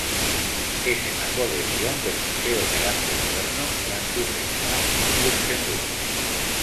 Es en la colección del Museo de Arte Moderno Gran Duque Juan, en Luxemburgo.